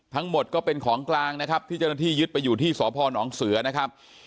ทั้งหมดก็เป็นของกลางนะครับที่เจ้าหน้าที่ยึดไปอยู่ที่สพนเสือนะครับ